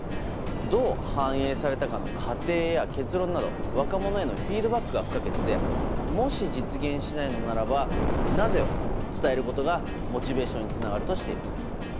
どう反映されたかの過程や結論など若者へのフィードバックが不可欠でもし実現しないのならばなぜを伝えることがモチベーションにつながるとしています。